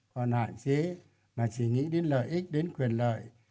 còn hạn chế là chỉ nghĩ đến lợi ích đến quyền lợi